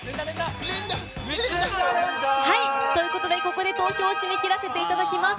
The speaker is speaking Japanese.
ここで投票を締め切らせていただきます。